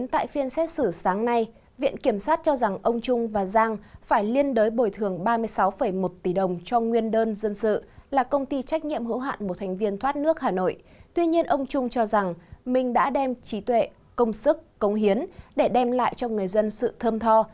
tuy nhiên ông trung cho rằng mình đã đem trí tuệ công sức cống hiến để đem lại cho người dân sự thơm tho